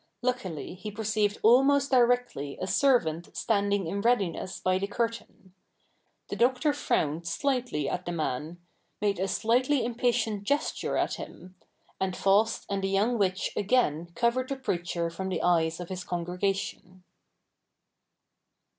Luckily he perceived almost directly a servant standing in readiness by the curtain. The Doctor frowned slightly at the man ; made a slightly impatient gesture at him ; and Faust and the young witch again covered the preacher from the eyes of his congregation.